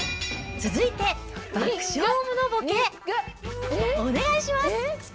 続いて爆笑モノボケ、お願いします。